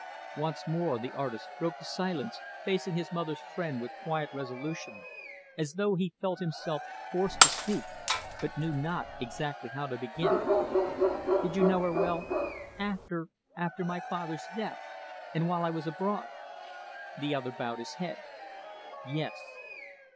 Once more, the artist broke the silence, facing his mother's friend with quiet resolution, as though he felt himself forced to speak but knew not exactly how to begin. "Did you know her well after after my father's death and while I was abroad?" The other bowed his head "Yes."